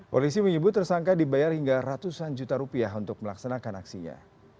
polisi menyebut tersangka dibayar hingga ratusan juta rupiah untuk melaksanakan aksinya